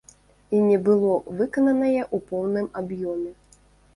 І не было выкананае ў поўным аб'ёме.